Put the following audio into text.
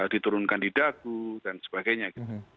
diturunkan di dagu dan sebagainya gitu